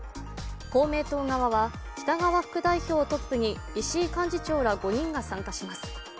公明党側は、北側副代表をトップに石井幹事長ら５人が参加します。